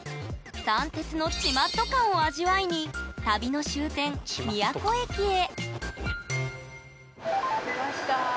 三鉄の「ちまっと感」を味わいに旅の終点宮古駅へ着きました。